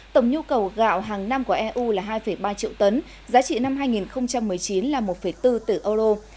tổng nhu cầu gạo hàng năm của eu là hai ba triệu tấn giá trị năm hai nghìn một mươi chín là một bốn tỷ euro